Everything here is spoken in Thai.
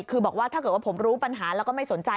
คือบอกว่าถ้าเกิดว่าผมรู้ปัญหาแล้วก็ไม่สนใจ